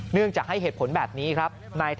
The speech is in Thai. เนื่องจากให้เหตุผลแบบนี้ครับ